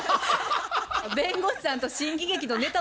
弁護士さんと新喜劇のネタ